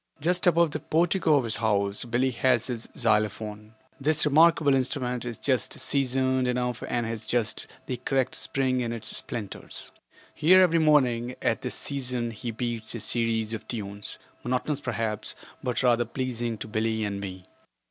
Just above the portico of his house Billie has his xylophone. This remarkable instrument is just seasoned enough and has just the correct spring in its splinters. Here every morning, at this season, he beats a series of tunes, monotonous perhaps, but rather pleasing to Billie and me.